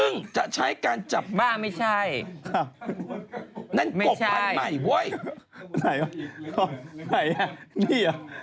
นี่เหรอนี่